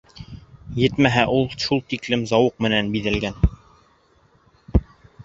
Етмәһә, ул шул тиклем зауыҡ менән биҙәлгән.